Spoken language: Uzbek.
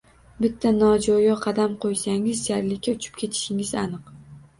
Bitta nojo’ya qadam qo’ysangiz, jarlikka uchib ketishingiz aniq!